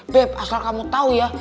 beb asal kamu tau ya